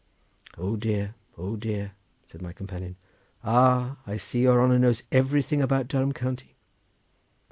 "O dear, O dear!" said my companion. "Ah, I see your honour knows everything about Durham county.